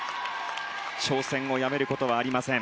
挑戦をやめることはありません